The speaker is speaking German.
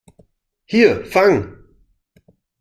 Hier, fang!